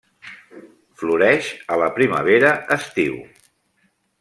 Floreix a la primavera- estiu.